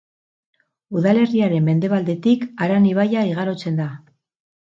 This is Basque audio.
Udalerriaren mendebaletik Aran ibaia igarotzen da.